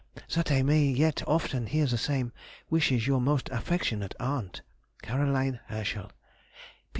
That I may yet often hear the same, wishes your most affectionate aunt, CAR. HERSCHEL.